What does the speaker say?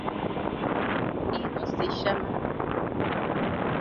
Îro sêşem e.